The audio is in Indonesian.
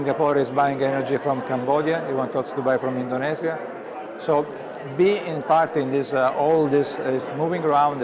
dan dia ingin bergerak ke transisi yang dipercayai oleh penyelenggaraan